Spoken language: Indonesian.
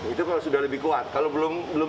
itu kalau sudah lebih kuat kalau belum